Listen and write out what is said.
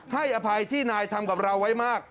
ให้อภัยที่นายทำกับเราไว้มาก